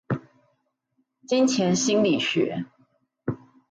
金錢心理學